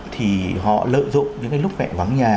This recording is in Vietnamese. thì họ lợi dụng những cái lúc vẻ vắng nhà